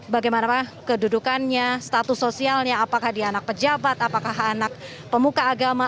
bagaimana kedudukannya status sosialnya apakah di anak pejabat apakah anak pemuka agama